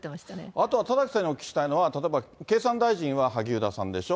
あとは田崎さんにお聞きしたいのは、経産大臣は萩生田さんでしょ。